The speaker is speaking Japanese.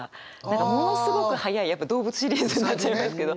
ものすごく速い動物シリーズになっちゃいますけど。